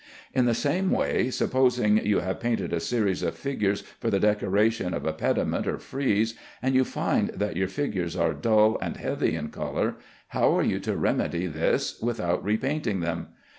In the same way, supposing you have painted a series of figures for the decoration of a pediment or frieze, and you find that your figures are dull and heavy in color, how are you to remedy this without repainting them?